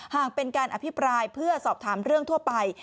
หากเป็นการอภิปรายเพื่อสอบถามเรื่องทั่วไป